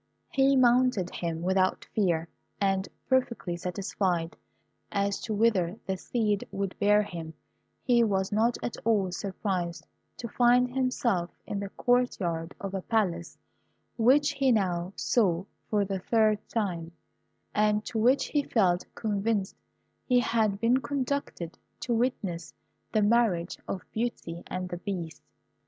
He mounted him without fear, and, perfectly satisfied as to whither the steed would bear him, he was not at all surprised to find himself in the court yard of a Palace which he now saw for the third time, and to which he felt convinced he had been conducted to witness the marriage of Beauty and the Beast.